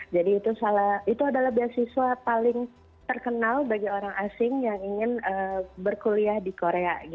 jadi itu adalah beasiswa paling terkenal bagi orang asing yang ingin berkuliah di korea